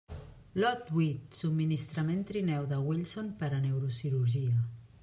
Lot huit: subministrament trineu de Wilson per a Neurocirurgia.